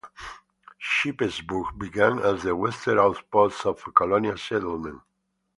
Shippensburg began as the western outpost of colonial settlement.